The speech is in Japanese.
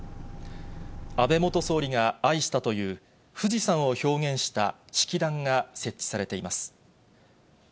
安倍元総理が愛したという、富士山を表現した式壇が設置されています。